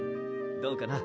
どうかな？